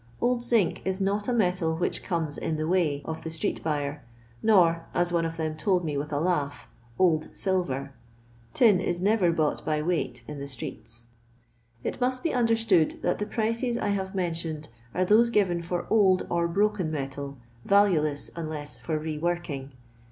Old nne is note metal which " comes in the way " of the itieet buyer, nor — as one of them told me with a hagb —old silver. Tin is never bought by weight la the streets. It must be understood that the pricea I hafi mentioned are those given for old or brokca metal, valueless unless for re working.